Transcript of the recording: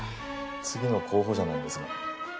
次の候補者なんですが。